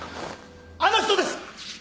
あの人です！